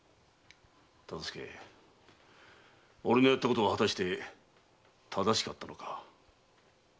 忠相俺のやったことは果たして正しかったのか。